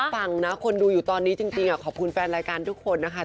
ฟังนะคนดูอยู่ตอนนี้จริงขอบคุณแฟนรายการทุกคนนะคะ